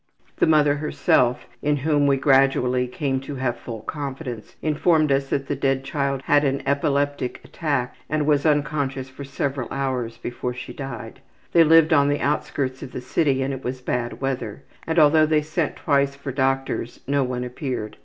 The mother herself, in whom we gradually came to have full confidence, informed us that the dead child had an epileptic attack and was unconscious for several hours before she died. They lived on the outskirts of the city and it was bad weather, and although they sent twice for doctors, no one appeared.